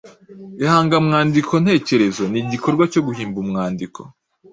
Ihangamwandiko ntekerezo ni igikorwa cyo guhimba umwandiko